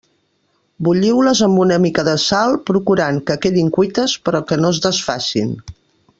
Bulliu-les amb una mica de sal, procurant que quedin cuites, però que no es desfacin.